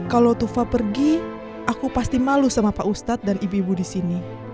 kalau tufa pergi aku pasti malu sama pak ustadz dan ibu ibu di sini